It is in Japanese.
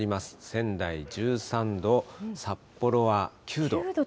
仙台１３度、札幌は９度。